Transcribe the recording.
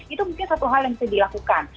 itu mungkin satu hal yang bisa dilakukan